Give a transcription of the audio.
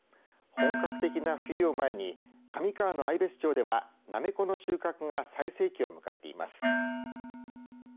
本格的な冬を前に上川の愛別町ではなめこの収穫が最盛期を迎えています。